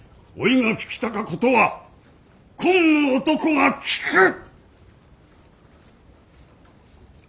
おいが聞きたかことはこん男が聞く！